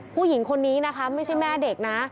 ผู้หญิงคนนี้นะคะไม่ใช่แม่เด็กนะ